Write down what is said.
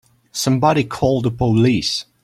Somebody call the police!